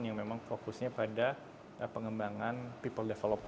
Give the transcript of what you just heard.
yang memang fokusnya pada pengembangan people development